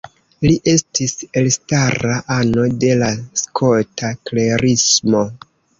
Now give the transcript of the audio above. Li estis elstara ano de la Skota Klerismo.